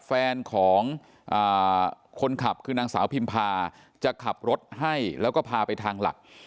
แฟนของคนขับคือนางสาวพิมพาจะขับรถให้แล้วก็พาไปทางหลัก